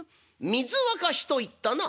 「水沸かしと言ったな」。